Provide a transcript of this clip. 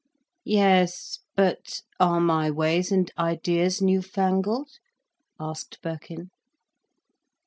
"Yes, but are my ways and ideas new fangled?" asked Birkin.